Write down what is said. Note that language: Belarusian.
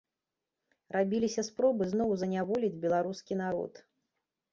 Рабіліся спробы зноў заняволіць беларускі народ.